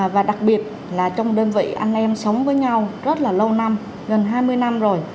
và đặc biệt là trong đơn vị anh em sống với nhau rất là lâu năm gần hai mươi năm rồi